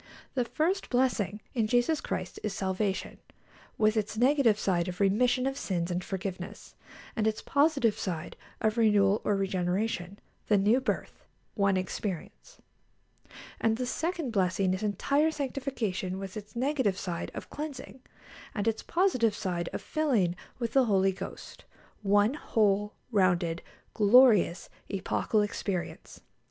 The first blessing in Jesus Christ is salvation, with its negative side of remission of sins and forgiveness, and its positive side of renewal or regeneration the new birth one experience. And the second blessing is entire sanctification, with its negative side of cleansing, and its positive side of filling with the Holy Ghost one whole, rounded, glorious, epochal experience.